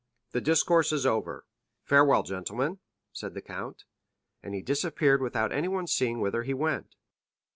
"The discourse is over; farewell, gentlemen," said the count, unceremoniously. And he disappeared without anyone seeing whither he went.